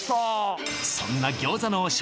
そんな餃子の王将